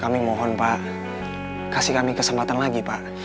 kami mohon pak kasih kami kesempatan lagi pak